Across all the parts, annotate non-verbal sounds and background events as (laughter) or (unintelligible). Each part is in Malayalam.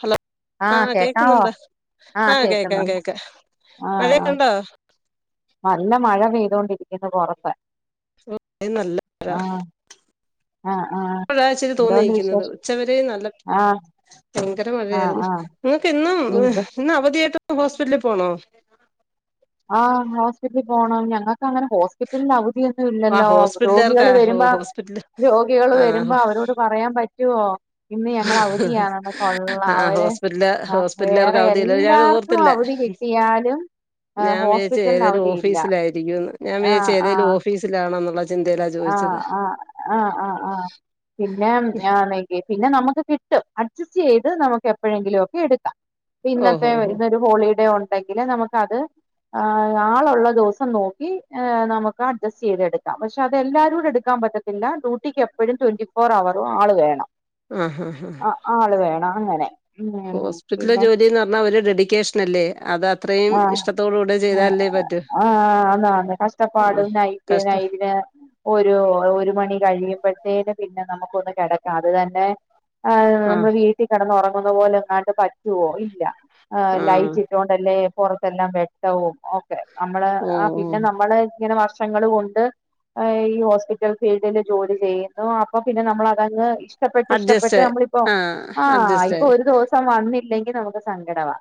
ഹലോ ആഹ് കേക്കുന്നുണ്ട് ആഹ് കേക്കാ കേക്കാ ആഹ് മഴയൊക്കെ ആഹ് ഉണ്ടോ നല്ല മഴ പെയ്തോണ്ടിരിക്കുന്നത് പുറത്ത് ഇവടെം നല്ല മഴ ആഹ് ആഹ് അപ്പോഴച്ചരി എന്തോണ്ട് തോന്നിയിരിക്കുന്നത് വിശേഷം ഉച്ചവരെ നല്ല ആഹ് ഭയങ്കര ആഹ് മഴയായിരുന്നു ആഹ് നിങ്ങൾക്ക് ഇന്നും ഇവ് ഇന്ന് അവധിയായിട്ട് ഹോസ്പിറ്റലിൽ പോണോ ആഹ് ഹോസ്പിറ്റിൽ പോണം ഞങ്ങക്ക് അങ്ങനെ ഹോ്പിറ്റലിന് അവധിയൊന്നും ആഹ് ഇല്ലല്ലോ ഹോസ്പിറ്റലുകാർക്കാ രോഗികള് ഓ വരുമ്പോ ഹോസ്പിറ്റല് രോഗികള് വരുമ്പോ ആഹ് അവരോട് അവരോട് പറയാൻ പറ്റോ ഇന്ന് ഞങ്ങള് അവധിയണെന്ന് കൊള്ളാം ആഹ് അവര് ഹോസ്പിറ്റല് ആ ഹോസ്പിറ്റലുകാർക്ക് വേറെ അവധിയല്ലേ ഞാൻ എല്ലാർക്കും ഓർത്തില്ല അവധി കിട്ടി കിട്ടിയാലും ഞാൻ വിചാരിച്ചു ഹോസ്പിറ്റലിന് ഏതേലും അവധിയില്ല ഓഫീസിലായിരിക്കുന്നു ഞാൻ വിചാരിച്ചു ആഹ് ഏതേലും ആഹ് ഓഫീസിലാണെന്നുള്ള ചിന്തേലാ ആഹ് ചോയ്ച്ചത് ആഹ് ആഹ് ആഹ് ആഹ് പിന്നെ ഞ പിന്നെ നമുക്ക് കിട്ടും അഡ്ജസ്റ്റ് ചെയ്ത് നമുക്ക് എപ്പഴെങ്കിലും ഒക്കെ എടുക്കാ ഓഹോ ഇന്നത്തെ ഹോ ഇന്നൊരു ഹോളിഡേ ഉണ്ടെങ്കില് നമുക്ക് അത് ആ ആളുള്ള ദിവസം നോക്കി നമുക്ക് അഡ്ജസ്റ്റ് ചെയ്തെടുക്കാം പക്ഷെ അതല്ലാരൂടെ എടുക്കാൻ പറ്റ റ്റത്തില്ല ഡ്യൂട്ടിക്ക് എപ്പഴും ട്വന്റി ഫോർ അവറും ആള് വേണം ആഹ് ആള് വേണം അങ്ങനെ ഉം ഹോസ്പിറ്റല പിന്നെ ജോലിന്ന് പർഞ്ഞ ഒരു ഡെഡിക്കേഷൻ നല്ലേ അത ആഹ് ആഹ് ആഹാ അതാണ് കഷ്ടപ്പാട് ആഹ് നൈറ്റ് കഷ്ടം നൈറ്റ് ഒരു ഒരു മണി കഴിയുമ്പോഴത്തേനും പിന്നെ നമുക്കൊന്ന് കെടക്കാം അത് തന്നെ ആ ആഹ് നമ്മള് വീട്ടിൽ കിടന്ന ഉറങ്ങുന്ന പോലെ ഇങ്ങാട്ട് പറ്റുവോ ഇല്ല. ആഹ്. ലൈറ്റ് ഇട്ടുകൊണ്ടല്ലേ പുറത്തെല്ലാം വെട്ടവും. നമ്മള് ഓ ആ ഓ പിന്നെ നമ്മള് ഇങ്ങനെ വർഷങ്ങള് കൊണ്ട്. ഈ ഹോസ്പിറ്റൽ ഫീൽഡിൽ ജോലി ചെയ്യുന്നു അപ്പൊ പിന്നെ നമ്മൾ അതങ്ങ്. ഇഷ് ഷ്ടപ്പെട്ട് ഇഷ്ടപ്പെട്ട് അഡ്ജസ്റ്റ് നമ്മളിപ്പോ ആഹ് ആഹ് അഡ്ജസ്റ്റ് ഇപ്പൊ ആയി ഒരു ദിവസം വന്നില്ലെങ്കി നമുക്ക് സങ്കടമാ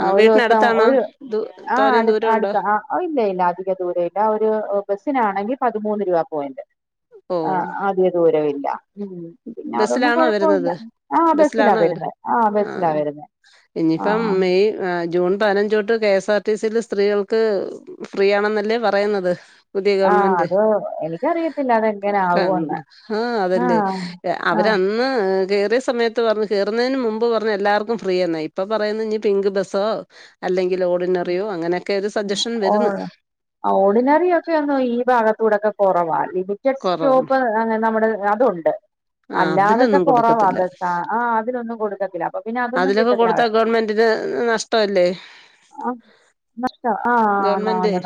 ആ വീട്ടിനടുത്താണോ ദ തോനയും ദൂരം ഉണ്ടോ? അത് ഇല്ല ഇല്ല. അധികം ദൂര ഇല്ല ഒരു ബസ്സിനാണെങ്കിൽ പതിമൂന്ന് രൂപ പോയിണ്ട്. ഓ ആഹ് ആദ്യ ദൂരമില്ല. ഉം. പിന്നെ അതൊന്നും ബസ്സിലാണോ കൊഴപ്പമല്ല വരുന്നത് ആഹ് ബസ്സിലാ ബസ്സിലാണോ വരു വരുന്നത്, ആഹ് ബസ്സിലാ വരുന്നേ. ഇനിയിപ്പം മെയ് ജൂൺ പതിനഞ്ചൊ ട്ട് കെ എസ് ആർ ടിസിൽ സ്ത്രീകൾക്ക് ഫ്രീ ആണെന്നല്ലേ പറയുന്നത് പുതിയ ആഹ് ഗവൺമെന്റ് അത് എനിക്കറിയത്തില്ല അതെങ്ങനെ ക ആവോന്ന് ആഹ് അതല്ലേ. ആഹ് അവര, ആഹ് അ ന്ന് കേറിയ സമയത്ത് പർഞ്ഞ് കേറുന്നതിന് മുമ്പ് പറഞ്ഞ് എല്ലാവർക്കും ഫ്രീയന്ന, ഇപ്പൊ പറയുന്നത് ഇനി പിങ്ക് ബസ്സോ. അല്ലെങ്കിൽ ഓർഡിനറിയോ അങ്ങനെയൊക്കെ ഒരു സജഷൻ വരും ന്ന് ആ ഓർഡിനറി ഒക്കെ ഒന്നോ ഈ ഭാഗത്ത് കൂടെക്കെ കൊറവാ. (unintelligible) കൊറവാണ് സ്റ്റോപ്പ് അങ്ങനെ നമ്മുടെ അതുണ്ട്. ആ അല്ലാതൊക്കെ അതിലൊന്നും കൊറവാ, കൊടുക്കത്തില്ല ആഹ് അതിനൊന്നും കൊടുക്കത്തില്ല. അപ്പൊ പിന്നെ അതൊന്നും അതിലൊക്കെ കിട്ടത്തില്ല കൊടുത്ത അവ ഗവൺമെന്റിന് നഷ്ടല്ലേ. ആഹ് നഷ്ട ആഹ് ഗവൺമെന്റ് ആണ്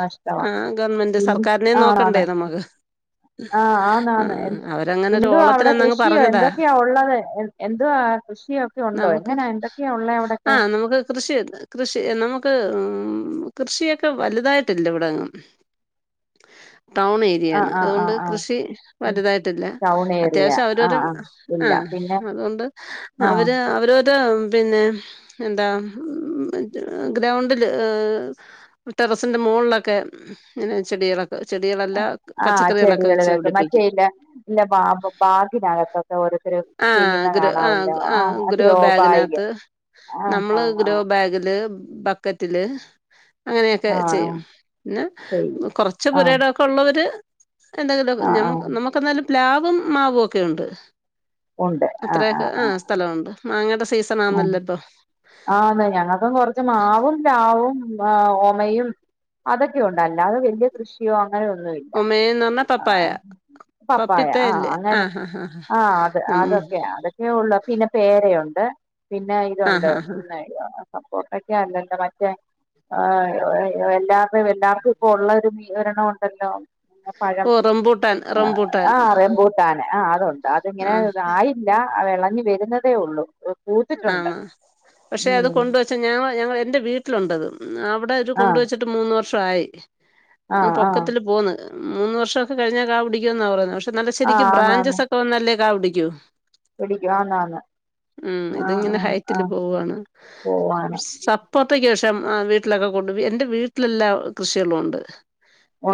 ആ നഷ്ടമാണ് ഗവൺമെന്റ് പിന്നിം സർക്കാരിനെ ആണ് നോക്കണ്ടേ ആണ് നമുക്ക് ആഹ് ആന്ന് ആ ആണ്. എ അവരങ്ങനെ ഒരു എന്ത്യോ അവിടെ ഓളത്തിനന്നങ്ങ് കൃഷിയോ പറഞ്ഞതാ എന്തൊക്കെയാ ഉള്ളത് എന്ത് എന്തുവാ കൃഷിയോ ഒക്കെ ഉണ്ടോ? ആഹ് എങ്ങനാ എന്തൊക്കെയാ ഉള്ളേ അവിടൊക്കെ നമുക്ക്. കൃഷി കൃഷി നമുക്ക് കൃഷിയൊക്കെ വലുതായിട്ടില്ല ഇവിടെ. ടൗൺ ഏ രിയാണ് ആഹ് ആഹ് അതുകൊണ്ട് ആഹ് ആഹ് കൃഷി വലുതായിട്ടില്ല, ടൗൺ ഏരിയ അത്യാവശ്യം അവരവർ ആഹ് ആഹ് ആ ഇല്ല പിന്നെ അതുകൊണ്ട്. ആഹ് അവര് അവര്. ന്താ പിന്നെ എന്താ ഗ്രൗണ്ടില് ഏഹ് ടെറസിന്റെ മോളിലൊക്കെ ങ്ങനെ ചെടികളാ ചെടിക ആഹ് ചെടികൾ വെക്കും മറ്റേ ല്ല ല്ല ബാ ബാഗിനകത്തൊക്കെ ഓരോര്ത്തര് ആഹ് ഗ്രോ ആ ആ ഗ്രോ ബാഗ് ബാഗിനകത്ത് ആഹ് നമ്മള് ആഹ് ഗ്രോ ആഹ് ബാഗില് ബക്കറ്റില് അങ്ങനെയൊക്കെ ആഹ് ചെയ്യും ആഹ് പിന്നെ ചെയ്യും കൊർച്ച് ആഹ് പുരടൊക്കെ ഉള്ളവര് എന്തെങ്കിലും ആഹ് മ്മ ആഹ് നമുക്ക എന്നാലും പ്ലാവും മാവ് ഒക്കെ ണ്ട് അത്രയൊക്കെ ആഹ് സ്ഥലമുണ്ട് മാങ്ങയുടെ സീസൺ ആണേല്ല ഇപ്പൊ ആഹ് ഞങ്ങൾക്കും കൊർച്ച് മാവും രാവും ആ ഓമയും അതൊക്കെ ഉണ്ടല്ല അത് വല്യ കൃഷിയോ അങ്ങനെയൊന്നുല്ല ഒമേന്ന് പറഞ്ഞാ പപ്പായ ആഹ് പപ്പായ ആഹ് പപ്പിത്തയില്ലേ ആ അങ്ങനെ ഹാ ഹാ ഹാ ആഹ് അത് നമ്മ അതൊക്കെ അതെ അതെഉള്ളൂ പിന്നെ പേരയുണ്ട് പിന്നെ ആ ഇതുണ്ട് ഹാ ഹാ സപ്പോട്ടക്കെ അല്ലല്ലോ മറ്റേ ആഹ് എല്ലർടെ എല്ലാർക്കും ഇപ്പ ഉള്ള ഒരു ഒരണം ഉണ്ടല്ലോ പഴം ഓ റംബൂട്ടാൻ റംബൂട്ടാൻ ആഹ് റബുട്ടാൻ ആഹ് അതുണ്ട് അതിങ്ങനെ ആ ആയില്ല ആയില്ല വെളഞ്ഞു വരുന്നതേ ഉള്ളൂ പൂത്തിട്ടുണ്ട് ആണ് പക്ഷെ ഉം അത് കൊണ്ട് വച്ച ഞ ഞങ്ങ എൻറെ വീട്ടിലുണ്ടത് അവിടെ ഒരു ആഹ് കൊണ്ടവച്ചിട്ട് വെച്ചിട്ട് മൂന്ന് വർഷയി ആഹ് പൊക്കത്തിൽ പോന്ന് മൂന്ന് വർഷക്കെ കഴിഞ്ഞാൽ കാ പിടിക്കോ ന്നാ പറയണ് പക്ഷെ നല്ല ആഹ് ശരിക്കും ബ്രാഞ്ചസ് ഒക്കെ വന്നല്ലേ കാ പിടിക്കൂ ഒരു ഗ്യാങാണ് ആഹ് അതിങ്ങനെ ആഹ് ഹൈറ്റില് ആഹ് പോവുവാണ് പൂവാണ് പോർത്തെക്ക് ശേഷം വീട്ടിലൊക്കെ കൊണ്ട് എൻ്റെ വീട്ടിലെല്ലാ കൃഷിയെളുണ്ട്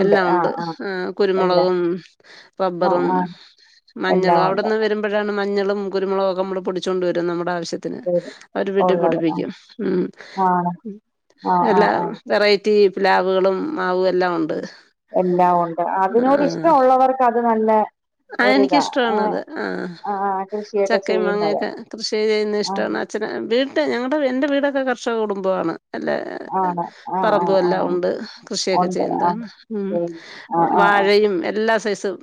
എല്ലാം ഉണ്ട് ആഹ് ആഹ് ഉം എല്ലാം കുരുമുളകും ആ റബ്ബറും ആ എല്ലാം മഞ്ഞളും ഉണ്ട് അവിന്ന് വരുമ്പോഴാണ് മഞ്ഞളും കുരുമുളും ഒക്കെ നമ്മള് പൊടിച്ചൊണ്ട് വരും നമ്മുടെ ആവശ്യത്തിന് വീട് അവര് വീട്ടീ ഉള്ളത് ആ പൊടിപ്പിക്കും ഉം ആണ് ആ ആ എല്ലാ ആ വെറൈറ്റി പ്ലാവുകളും മാവും എല്ലാം ഉണ്ട് എല്ലാം ഉണ്ട് അതിനോട് ആഹ് ഇഷ്ടമുള്ളവർക്ക് അത് നല്ല ആഹ് ഒരിതാ ഏ എനിക്കിഷ്ടണത് ആഹ് ആ ആ, കൃഷിയൊക്കെ ചക്കയും ചെയ്യുന്നത് മാങ്ങയൊക്കെ കൃഷി ചെയ്യുന്നത് ആ ഇഷ്ടാണ് അച്ഛന് വീട്ട് ഞങ്ങളുടെ എൻ്റെ വീടൊക്കെ കർഷക കുടുംബമാണ് അല്ലേ ആണ് ആ ആ പറമ്പും ആ ആ. എല്ലാം ഉണ്ട് കൃഷിയൊക്കെ ഉണ്ട് ആ ചെയ്യുന്നതാണ് ഉം ശരി ആ ആ ആ വാഴയും എല്ലാ സെയ്സും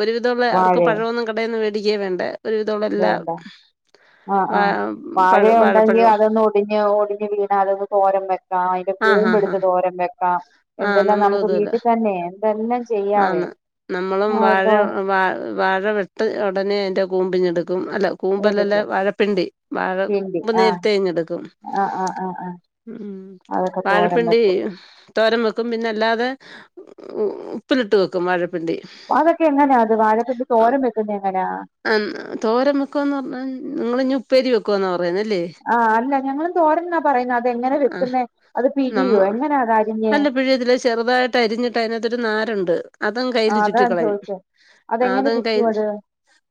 ഒരുവിധമുള്ള അവർക്ക് വാഴയോ പഴവൊന്നും കടൊന്നും മേടിക്കേ വേണ്ട ഒരുവിധമുള്ള എല്ലാം ആഹ് ആഹ് വഴ ഉണ്ടെങ്കിൽ അതൊന്ന് ഒടിഞ്ഞ് ഒടിഞ്ഞ് വീണ അതൊന്ന് തോരൻ വെക്കാം ആഹ് അതിന്റെ കൂമ്പ് ആഹ് എടുത്ത് ആഹ് തോരൻ വെക്കാം ആഹ് എന്തെല്ലാം നമ്മളും നമുക്ക് അതുപോലെ വീട്ടിൽ തന്നെ എന്തെല്ലാം ചെയ്യാവേ ആന്ന് നമ്മളും ആ ഒരു വാഴ തോ- വാ വാഴ വെട്ട് ഉടനെ അതിന്റെ കൂമ്പിങ്ങെടുക്കും അല്ലോ കൂമ്പല്ലല്ല എടുക്കും വഴപ്പിണ്ടി വഴ പിണ്ടി കൂമ്പ് ആ നേരത്തെ ഇങ്ങ്ടുക്കും ആ ആ ആ ആ ഉം അതൊക്കെ തോരൻ വാഴപ്പിണ്ടി വെക്കും തോരൻ വെക്കും പിന്നെ അല്ലാതെ ഉപ്പിലിട്ട് വെക്കും വഴപ്പിണ്ടി അതൊക്കെ എങ്ങനെയാ അത് വാഴപ്പിണ്ടി തോരൻ വെക്കുന്നത് എങ്ങനാ ആഹ് തോരൻ വെക്കുവന്ന് പറഞ്ഞാ നിങ്ങൾ ഞ്ഞി ഉപ്പേരി വെക്കുവന്നാ പറയന്നല്ലേ ആഹ് അല്ല ഞങ്ങളും തോരൻ ന്നാ പറയുന്ന അതെങ്ങന ആഹ് വെക്കുന്നെ അത് നമ്മ പിഴിയോ എങ്ങനാത അരിഞ്ഞേ അല്ല പിഴിയത്തില്ല ചെറുതായിട്ട് അരിഞ്ഞിട്ട് അതിനകത്തൊരു നാരുണ്ട് അതും കയ്ൽ ആഹ് അതാ ഞാൻ ചുറ്റിക്കളയും ചോദിച്ചേ അതെങ്ങനെ അതും ചുറ്റും കയ്യിൽ അത്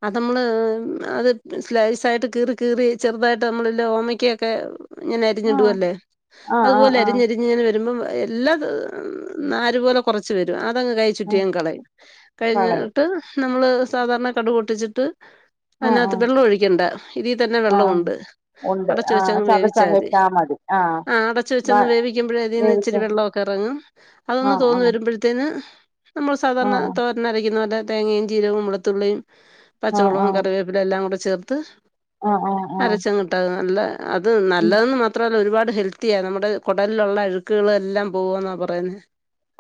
അത് നമ്മള് അത് സ്ലൈസായിട്ട് കീറി കീറി ചെറുതായിട്ട് നമ്മളെല്ലാം ഓമക്കൊക്കെ ഇങ്ങനെ അരിഞ്ഞിടു ആഹ് അല്ലേ ആഹ് ആഹ് അതുപോലെ ആഹ് അരിഞ്ഞരിഞ്ഞ് ഇങ്ങനെ വരുമ്പോ എല്ലാംനാാര് പോലെ കുറച്ച് വരും അതങ്ങ്കൈ ഉം ചുറ്റിയ കളയും കളയും കഴിഞ്ഞിട്ട് നമ്മള് സാധാരണ കടുക് പൊട്ടിച്ചിട്ട് ആഹ് അതിനത്ത് ആഹ് വെള്ളം ഒഴിക്കണ്ട ഇതി തന്നെ ആഹ് വെള്ളഉണ്ട് അടച്ച വെച്ചങ്ങ് വേവിച്ചാതി ഇട്ടാ മതി ആഹ് അടച്ച് വെച്ച് വ ഒന്ന് വേവിക്കുമ്പോഴ അതിൽന്ന് വേവിച്ച ഇച്ചിരിവെള്ളമൊക്കെ ഇറങ്ങും അതൊന്ന് ആഹ് തോന്ന് ആഹ് വരുമ്പോഴേതിന് ത്തിന് നമ്മൾ സാധാരണ ആഹ് തോരൻ അരക്കുന്നപോലെ തേങ്ങയും ചീരകവും വളുത്തുള്ളിയും ആഹ് പച്ചമൊളകും ആഹ് കറിവേപ്പില എല്ലാം കൂടെ ചേർത്ത് ആഹ് ആഹ് ആഹ് അരച്ച അങ്ങ് ഇട്ടാ നല്ല അത് ഉം നല്ലതെന്ന് മാത്ര മത്രല്ല ഒരുപാട് ഹെൽത്തിയാണ് നമ്മുടെ കുടലിലുള്ള അഴുക്കുകള എല്ലാം പോകെന്ന പറയുന്നത്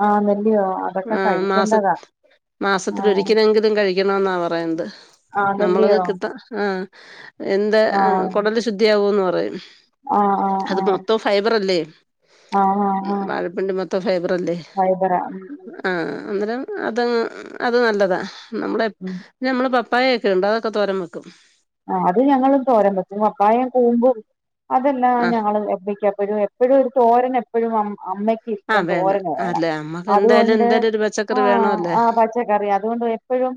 ആന്നല്ലിയോ അതൊക്കെ ആഹ് മാസ കഴിക്കേണ്ടതാ മാസത്തില ആഹ് ഒരിക്കലെങ്കില ഒരിക്കലെങ്കിലും കഴിക്കണ എന്നാ പറയുന്നത് നമ്മൾ ഒക്കെ ആന്നല്ലിയോ കിട്ടാ ആഹ് എന്ത് ആഹ് കൊടല് ശുദ്ധിയകൂന്ന് പറയും ആഹ് ആഹ് അത് ആഹ് മൊത്തം ഫൈബറല്ലേ ആഹ് ആഹ് വാഴപ്പിണ്ടിമൊത്തം ഫൈബറല്ലേ ഫൈബറാ ഉം ഉം ആഹ് അന്നേരം അത് അത് നല്ലതാ നമ്മള ഉം ഞമ്മള് പപ്പായയൊക്കെ ഉണ്ട് അതൊക്കെ തോരൻ വെക്കും അത് ഞങ്ങളും തോരൻ വെക്കും പപ്പായം കൂമ്പും അതെല്ലാം ആഹ് ഞങ്ങൾ എപ്പോയും എപ്പോഴും ഇവിടെ ഒരു തോരന് എപ്പോഴും അമ്മയ്ക്ക് ആഹ് ഇഷ്ടം തോരന് വേണം അല്ലെ അമ്മക്ക് എന്തായാലും അതുകൊണ്ട് എന്തായാലും ഒരു പച്ചക്കറി ആഹ് വേണോല്ലേ ആ പ പച്ചക്കറി അതുകൊണ്ട് എപ്പോഴും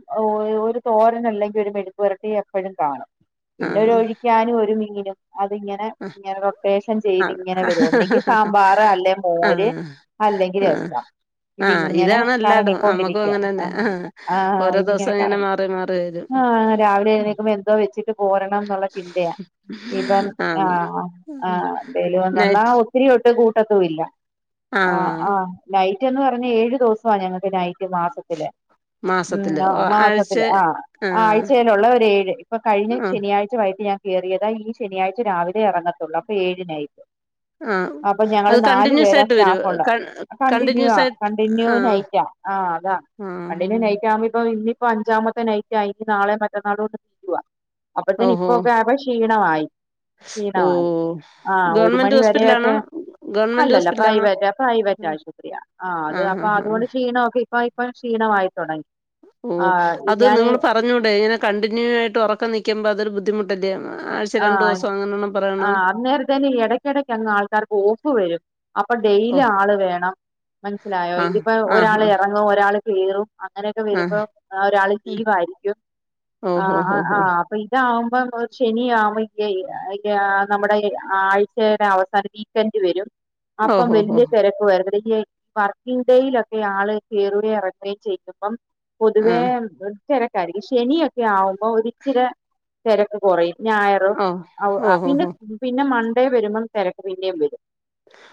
ഒരു തോരന് അല്ലെങ്കിൽ ഒരു മെഴുക്കുപ്പുരട്ടിംഎപ്പോഴും കാണും പിന്നെ ഒരു ആഹ് ഒഴിക്കാനും ഒരു മീനും അതിങ്ങനെ ഇങ്ങനെ റൊട്ടേഷൻ ചെയ്ത് ആഹ് ഇങ്ങനെ വരും ഒന്നെങ്കി ആഹ് സാമ്പാർ അല്ലേ മോര് അല്ലെങ്കിൽ ആഹ് രസം ആഹ് ഇതിങ്ങനെ ഇതാണ് എല്ലാടും നമ്മുക്കും കറങ്ങിക്കൊണ്ടിരിക്കുവാ അങ്ങനെ തന്നെ ആഹ് ആഹ് ഓരോ ഇതിങ്ങനെ ദിവസം ഇങ്ങനെ കറങ്ങി മാറി മാറി വരും ആഹ് രാവിലെ എഴുന്നേക്കുമ്പോ എന്തോ വെച്ചിട്ട് പോരണം എന്നുള്ള ചിന്തയാ ഇപ്പം ആണ് ആഹ് ആഹ് എന്തേലും ഒന്ന നൈറ്റ് ഒത്തിരിയൊട്ട് കൂട്ടത്തും ഇല്ല ആഹ് ആഹ് നൈറ്റ് എന്ന് പറഞ്ഞാ ഏഴു ദിവസമാണ് ഞങ്ങക്ക് നൈറ്റ് മാസത്തില് ഉം മാസത്തില് ആഹ് ഓ ആഴ്ച മാസത്തില് ആഹ് ആഹ് ആഴ്ചയിലുള്ള ഒര് ഏഴ് ഇപ്പൊ കഴിഞ്ഞ ശനിയാഴ്ച വൈകിട്ട് ഞാൻ കേറിയതാ ഈ ശനിയാഴ്ച രാവിലെ ഇറങ്ങത്തുള്ളൂ അപ്പൊ ഏഴ് നൈറ്റ് ആഹ് അപ്പൊ അത് ഞങ്ങള് നാലു കണ്ടിന്യൂസ് പേരാ ആയിട്ട് വരോ സ്റ്റാഫ് ഉള്ളെ ക കണ്ടിന്യൂസ് കണ്ടിന്യൂവാ ആയിട്ട് കണ്ടിന്യൂ ആഹ് നൈറ്റാ ആഹ് അതാ ആഹ് അല്ലെങ്കി ആഹ് നൈറ്റ് ആകുമ്പോ ഇപ്പൊ ഇന്നിപ്പോ അഞ്ചാമത്തെ നൈറ്റ് ആയി ഇനി നാളേം മറ്റന്നാളും കൊണ്ട് അപ്പൊത്തേന് ഓഹോ ഇപ്പൊക്കെ ആയപ്പൊ ക്ഷീണമായി ക്ഷീണമായി ഓഹ് ആഹ് ഒരു ഗവൺമെന്റ് മണി ഹോസ്പിറ്റലാണോ വരെയൊക്കെ ഗവൺമെന്റ് അല്ലല്ല ഹോസ്പിറ്റലാണോ പ്രൈവറ്റ് പ്രൈവറ്റ് ആശുപത്രിയാ ആഹ് അത് അപ്പൊ ആഹ് ആഹ് അതുകൊണ്ട് ക്ഷീണോക്കെ ഇപ്പോയി ഇപ്പം ക്ഷീണമായി തുടങ്ങി ഓ ആ അത് ഞാന് നിങ്ങള് സം പറഞ്ഞുകൂടെ ഇങ്ങനെ കണ്ടിന്യൂ ആയിട്ട് ഉറക്കം നിൽക്കുമ്പോൾ അതൊരു ബുദ്ധിമുട്ടല്ലേ ആഴ്ച രണ്ട് ദിവസം അങ്ങനെ ആഹ് അന്നേരത്തേന് ഇടയ്ക്കിടയ്ക്ക് അങ്ങ് ആൾക്കാർക്ക് ഓഫ് വരും അപ്പൊ ഡെയിലി ഓഹ് ആള് വേണം മനസ്സിലായോ ആഹ് ഇതിപ്പോ ആഹ് ഒരാൾ ഇറങ്ങും ഒരാൾ കയറും അങ്ങനെയൊക്കെ വരുമ്പോ ആഹ് ഒരാള് ആഹ് ലീവ് ആയിരിക്കും ഓഹോ ആഹ് ഹോ ഹോ ആഹ് അപ്പൊ ഇതാവുമ്പോ നമ്മള് ശനിയാ നമ്മുടെ ആഴ്ചയുടെ അവസാനം വീക്കെൻഡ് വരും അപ്പം ഓഹോ ഹോ വലിയ തിരക്ക് വരത്തില്യേ വർക്കിംഗ് ഡേയിലൊക്കെ ആള് കേറുകയും ഇറക്കുകയും ചെയ്യുമ്പം പൊതുവേ ആഹ് തിര ശനിയൊക്കെ ആവുമ്പോ ഒരിച്ചിരി തിരക്ക് കുറയും ഞാ ഓഹ് ആഹ് ഓഹോ പിന്നെ ഹോ പിന്നെ മണ്ടേ വരുമ്പോം തിരക്ക് പിന്നെയും വരും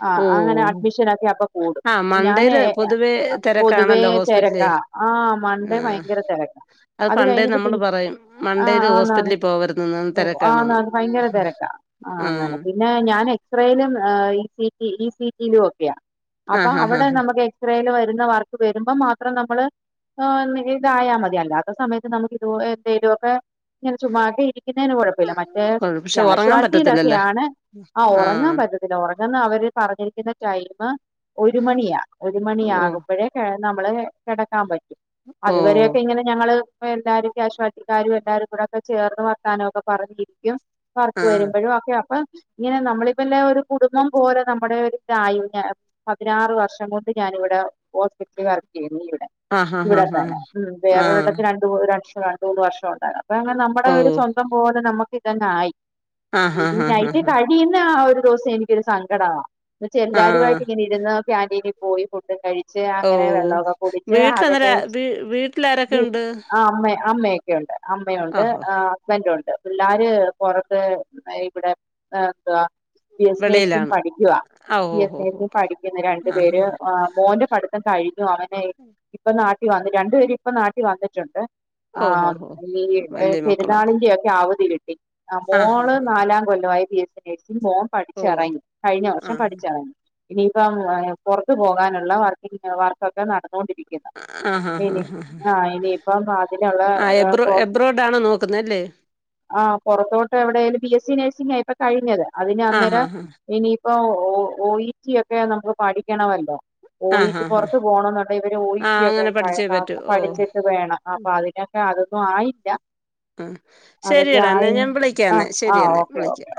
ആഹ് അങ്ങനെ ഓഹ് അഡ്മിഷൻ ഒക്കെ അപ്പൊ കൂടും ആഹ് ഞാനേ മൺണ്ടേയില് പൊതുവേ പൊതുവേ തിരക്കാണല്ലോ ഹോസ്പിറ്റല് തിരക്കാ ആഹ് മണ്ടേ ആഹ് ഭയങ്കര തിരക്കാ അത് പണ്ടേ കഴിഞ്ഞിട്ട് നമ്മള് പിന്നെ പറയും മണ്ടേയില് ഹോസ്പിറ്റലിൽ പോകരുന്ന് തിരക്ക ആഹ് ന ഭയങ്കര തിരക്കാ ആഹ് പിന്നെ ഞാൻ എക്സ്റേയിലും ഇ സി റ്റി യിലും ഒക്കെയാ അപ്പൊ ആഹ് അവിടെ ആഹ് നമുക്ക് എ ക്സറേല് വരുന്ന വർക്ക് വരുമ്പോൾ മാത്രം നമ്മള് ഇതായാ മതി അല്ലാത്ത സമയത്ത് നമുക്ക് ഇത് എന്തേലുവൊക്കെ ഇങ്ങനെ ചുമ്മാക്കെ ഇരി ക്കുന്നേന് കുഴപ്പമില്ല മറ്റേ ആഹ് ആഹ് പക്ഷെ ഉറങ്ങാൻ കാഷ്യൂവാലിറ്റിയിലൊക്കെ പറ്റത്തില്ലല്ലേ ആണ് ആഹ് ഉറങ്ങാൻ പറ്റത്തില്ല ഉറങ്ങന്ന് അവര് പറഞ്ഞിരിക്കുന്ന ടൈംമ് ഒരു മണിയാ ഒരു ഓ മണിയാകുമ്പോഴേ നമ്മള് കിടക്കാൻ പറ്റും ഓ അതുവരെ ഇങ്ങനെ ഞങ്ങള് എല്ലാരും കാഷ്വാലിറ്റിക്കാരും എല്ലാരും കൂടെ ഒക്കെ ചേർന്ന് വർത്താനം ഒക്കെ പറഞ്ഞിരിക്കും വർക്ക് ആഹ് വരുമ്പോഴും ഒക്കെ അപ്പം ഇങ്ങനെ നമ്മളിപ്പൊല്ലെ ഒരു കുടുംബം പോലെ നമ്മുടെ ഒരു പതിനാറ് വർഷം കൊണ്ട് ഞാനിവിടെ ഹോസ്പിറ്റലിൽ വർക്ക് ചെയ്യുന്നു ഇവിടെ ആഹ് ഇവിടെ ആഹ് ആഹ് തന്നെ ആഹ് ഉം ആഹ് വേറൊരിടത്തി ര ഓ ഒരക്ഷം രണ്ടൂന്ന് വർഷം ഉണ്ടായിരുന്നു അപ്പൊ അങ്ങനെ നമ്മുടെ ഓ ഒരു സ്വന്തം പോലെ നമുക്ക് ഇതങ്ങ് ആയി ആഹ് പി ആഹ് ആഹ് നൈറ്റ് ആഹ് കഴിയുന്ന ആ ഒരു ദിവസം എനിക്കൊരു സങ്കടമാ എന്നച്ചാ ആഹ് എല്ലാരുമായിട്ട് ഇങ്ങനെ ഇരുന്ന് കാക്ന്റീനിൽ പോയി ഫുഡും കഴി ച്ച് ഓ അങ്ങനെ വെള്ളമൊക്കെ കുടിച്ച് വീട്ടിലന്നേര അതൊക്കെ വീ വീട്ടിലാരൊക്കെ മ് ഉണ്ട് ആ അമ്മയാ അമ്മയ് ക്കെണ്ട് അമ്മയുണ്ട് ഓഹോ ആ ഹസ്ബന്റ ഉണ്ട് ണ്ട് പിള്ളാര് പൊറത്ത് ആ ഇവിടെ ആ എതുവാ ബി എസ്ഴ്സിംഗ് വെളിയിലാണ് പഠിക്കുവാ ആ ബി ഓ ഹോ ഹോ എസ്ഴ്സി പഠിക്കുന്നു രണ്ടു ആഹ് പേര് ആ മോനും പഠി ക്കെ കഴിഞ്ഞു അവൻ നഴ് ഇപ്പൊ നാട്ടി വന്ന് രണ്ടു പേര് ഇപ്പൊ നാട്ടി വന്നിട്ടുണ്ട് ഓ ഹോ ആഹ് ഹോ ഈ എ വല്യ മക്കളാ പെരുന്നാളിന്റെ ഒക്കെ ക്കെ അവധി ആ ആഹ് മോള് ആഹ് നാലാം കൊല്ലവായി ബി എസ് സി നഴ്സിങ് മോം ഓ പഠിച്ചെറങ്ങി കഴിഞ്ഞ വർഷം ആഹ് പഠിച്ചെറങ്ങി. ഇനീപ്പം പൊറത്ത് പോകാനുള്ള വർക്കിങ് വർക്കൊക്കെ നടന്നോണ്ടിരി ക്കുന്നു ആഹ് പ്പ ആഹ് ഇനി ആഹ് ആ ഇനി ഇപ്പം അതിനുള്ള കോ താണ് നോക്കുന്നേ അല്ലേ? ആഹ് പൊറത്തോട്ട് എവിടേലും ബി എസ് സി നേഴ്സിംഗായിപ്പം കഴിഞ്ഞത് ആ ഹാ അതിനന്നേരം ഹാ ഇനിയിപ്പോ ഓ ഓ ഈറ്റിയൊക്കെ നമ്മക്ക് പഠിക്കണവല്ലോ. ആ ഓയീറ്റി ഹാ ഹാ പൊറത്ത് പോണന്നുണ്ടേ ഇവര് ആ ഓയിറ്റിയൊക്കെ അങ്ങനെ പഠിച്ചേ പറ്റൂ ഓ പഠിച്ചിട്ട് വേണം ആഹ് ഉം, പ്പാതിനൊക്കെ അതൊന്നും ആയില്ല. ആഹ് അതൊക്കെ ശെരിയെടാ ന്നാ ആയി ഞാൻ ആ വിളിക്കാന്നേ ആ ശെരി എന്നെ ഓക്കെ ഓക്കെ വിളിക്കാം.